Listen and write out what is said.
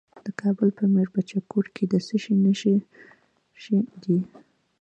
د کابل په میربچه کوټ کې د څه شي نښې دي؟